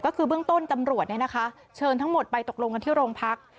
ก็คือเบื้องต้นตำรวจเชิญทั้งหมดไปตกลงกันที่โรงพัก